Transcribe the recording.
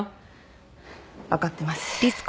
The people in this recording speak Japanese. わかってます。